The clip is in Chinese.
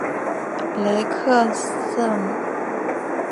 雷克瑟姆。